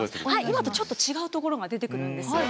今とちょっと違うところが出てくるんですよ。